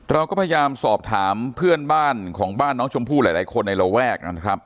เราก็พยายามสอบถามเพื่อนบ้านของบ้านน้องชมพู่หลายคนในระแวกนะครับ